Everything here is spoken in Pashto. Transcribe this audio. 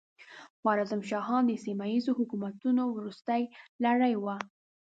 خوارزم شاهان د سیمه ییزو حکومتونو وروستۍ لړۍ وه.